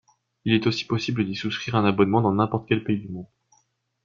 Il est aussi possible d’y souscrire un abonnement dans n’importe quel pays du monde.